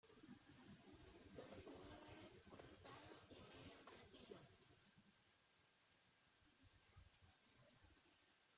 Su escudo es: Cortado y medio partido.